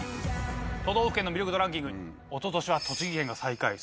都道府県の魅力度ランキングおととしは栃木県が最下位。